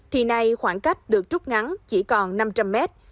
thì nay khoảng cách được trút ngắn chỉ còn năm trăm linh mét